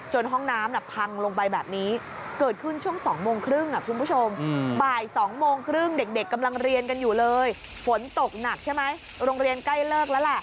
เฮ่ยฝนตกหนักใช่ไหมโรงเรียนใกล้เลิกแล้วล่ะ